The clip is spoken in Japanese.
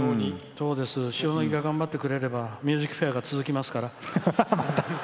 塩野義が頑張ってくれれば「ミュージックフェア」が続きますから。